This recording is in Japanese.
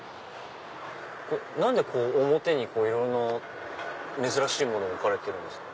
何で表にいろんな珍しいもの置かれてるんですか？